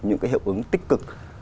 những cái hiệu ứng tích cực